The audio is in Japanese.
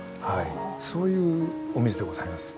そういうお水でございます。